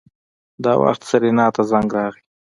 دا وخت سېرېنا ته زنګ راغی.